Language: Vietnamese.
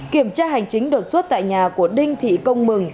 kiểm tra hành chính đột xuất tại nhà của đinh thị công mừng